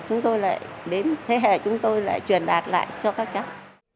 chúng tôi lại đến thế hệ chúng tôi lại truyền đạt lại cho các cháu